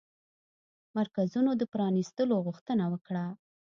مرکزونو د پرانيستلو غوښتنه وکړه